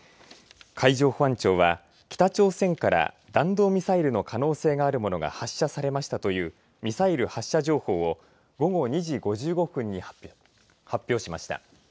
海上保安庁は北朝鮮から弾道ミサイルの可能性があるものが発射されましたというミサイル発射情報を午後２時５５分に発表しました。